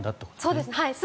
そうです。